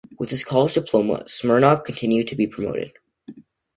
With his college diploma, Smirnov continued to be promoted.